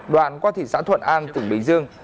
đoạn qua thị xã thuận an tỉnh bình dương